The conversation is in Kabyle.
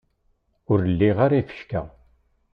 Ur liɣ ara ifecka.